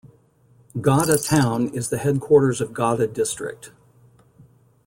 Godda town is the headquarters of Godda district.